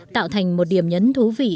tạo thành một điểm nhấn thú vị